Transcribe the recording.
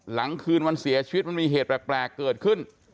หลังคืนวันเสียชีวิตมันมีเหตุแปลกเกิดขึ้น